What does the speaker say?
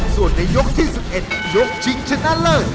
ส่วนในยกที่๑๑ยกชิงชนะเลิศ